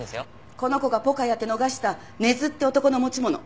この子がポカやって逃した根津って男の持ち物。